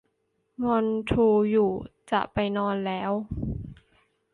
งอนทรูอยู่ จะไปนอนแล้ว